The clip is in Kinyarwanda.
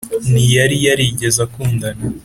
ntiyari yarigeze akundana.